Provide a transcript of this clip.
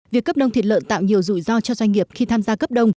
việc cấp nông thịt lợn tạo nhiều rủi ro cho doanh nghiệp khi tham gia cấp đông